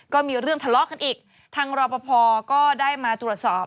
ก็มีเรื่องทะเลาะกันอีกทางรอปภก็ได้มาตรวจสอบ